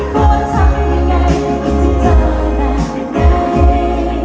แค่สักคำได้ให้ฉันแน่ใจ